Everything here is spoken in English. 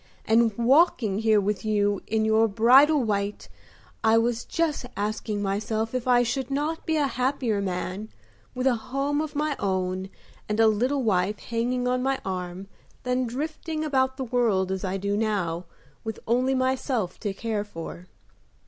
And walking here with you in your bridal white I was just asking myself if I should not be a happier man with a home of my own and a little wife hanging on my arm than drifting about the world as I do now with only myself to care for."